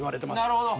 なるほど。